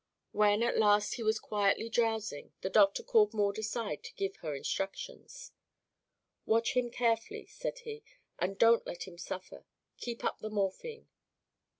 When at last he was quietly drowsing the doctor called Maud aside to give her instructions. "Watch him carefully," said he, "and don't let him suffer. Keep up the morphine."